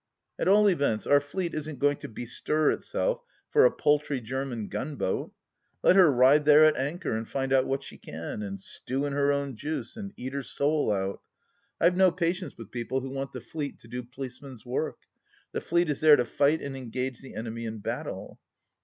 At all events our Fleet isn't going to bestir itself for a paltry German gunboat 1 Let her ride there at anchor and find out what she can, and stew in her own juice and eat her soul out. I've no patience with people who want the Fleet to do policeman's work. The Fleet is there to fight and engage the enemy in battle.